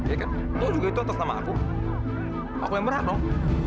iya kan kau juga itu atas nama aku aku yang berat dong